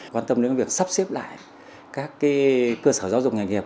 quan tâm đến việc sắp xếp lại các cơ sở giáo dục nghề nghiệp